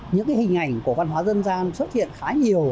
những hình ảnh của văn hóa dân gian xuất hiện khá nhiều